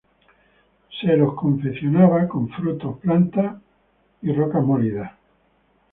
Se los confeccionaba con frutos, plantas y rocas molidas.